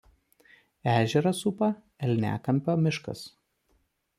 Ežerą supa Elniakampio miškas.